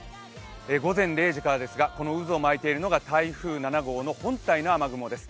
午前０時からですが、この渦を巻いているのが台風７号の本体の雨雲です。